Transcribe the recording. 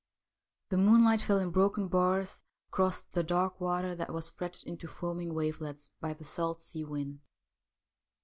The moonlight fell in broken bars across the dark water that was fretted into foaming wavelets by the salt sea wind.